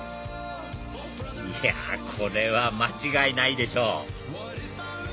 いやこれは間違いないでしょ！